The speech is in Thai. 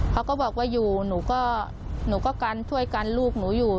เขาก็บอกว่าอยู่หนูก็หนูก็กันช่วยกันลูกหนูอยู่